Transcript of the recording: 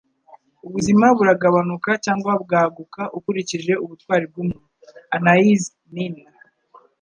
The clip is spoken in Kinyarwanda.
Ubuzima buragabanuka cyangwa bwaguka ukurikije ubutwari bw'umuntu.” - Anais Nin